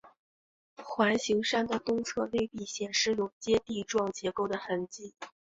环形山的东侧内壁显示有阶地状结构的痕迹。